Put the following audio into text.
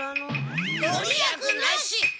御利益なし。